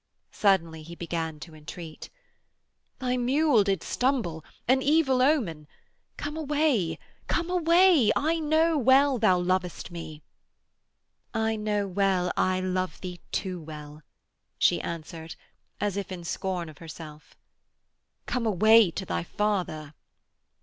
Suddenly he began to entreat: 'Thy mule did stumble an evil omen. Come away, come away. I know well thou lovest me.' 'I know well I love thee too well,' she answered, as if in scorn of herself. 'Come away to thy father.'